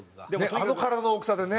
あの体の大きさでね。